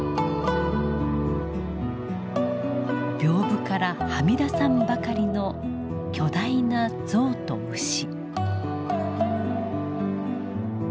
屏風からはみ出さんばかりの巨大な象と牛。